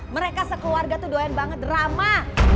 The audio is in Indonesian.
mereka sekeluarga tuh doyan banget drama